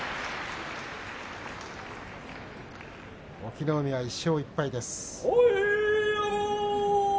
隠岐の海は１勝１敗です。